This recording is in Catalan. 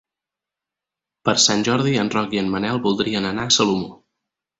Per Sant Jordi en Roc i en Manel voldrien anar a Salomó.